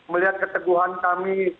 melihat keteguhan kami